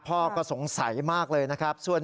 พ่อก็สงสัยมากเลยนะครับ